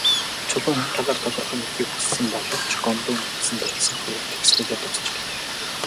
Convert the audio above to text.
Чулуун энэ талаар тодорхой мэдэхийг хүссэн боловч Гомбын үзсэн дуулсан хоёр тэгсхийгээд дуусчихлаа.